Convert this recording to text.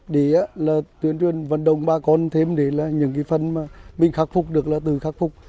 để tuyến truyền vận động ba con thêm để những phần mình khắc phục được là từ khắc phục